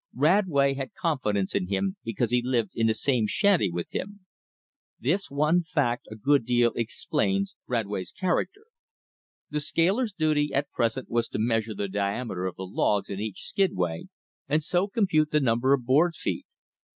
Radway had confidence in him because he lived in the same shanty with him. This one fact a good deal explains Radway's character. The scaler's duty at present was to measure the diameter of the logs in each skidway, and so compute the number of board feet.